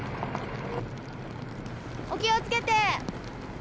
お気を付けて！